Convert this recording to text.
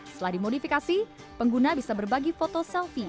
setelah dimodifikasi pengguna bisa berbagi foto selfie